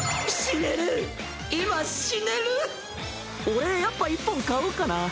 俺やっぱ１本買おうかなぁ。